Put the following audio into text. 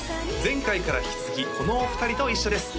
前回から引き続きこのお二人と一緒です